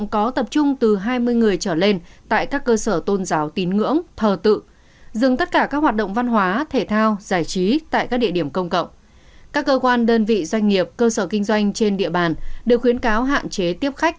các cơ quan đơn vị doanh nghiệp cơ sở kinh doanh trên địa bàn đều khuyến cáo hạn chế tiếp khách